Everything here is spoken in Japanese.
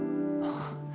ああ